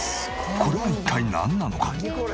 これは一体なんなのか？